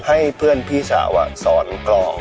ให้เพื่อนพี่สาวสอนกล่อง